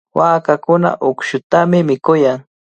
Waakakuna uqshatami mikuyan.